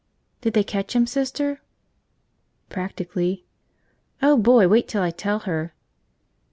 "Did they catch him, Sister?" "Practically." "Oh, boy, wait till I tell her!"